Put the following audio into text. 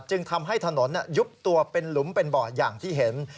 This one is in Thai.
จึงทำให้ถนนยุบตัวเป็นหลุมเป็นบ่ออย่างที่เห็น